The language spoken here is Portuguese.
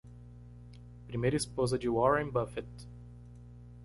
Primeira esposa de Warren Buffett.